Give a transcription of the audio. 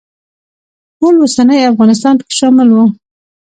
ټول اوسنی افغانستان پکې شامل و.